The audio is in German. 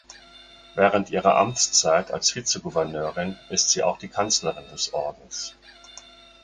Während ihrer Amtszeit als Vizegouverneurin ist sie auch die Kanzlerin des Ordens.